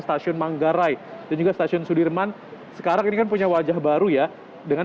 stasiun manggarai dan juga stasiun sudirman sekarang ini kan punya wajah baru ya dengan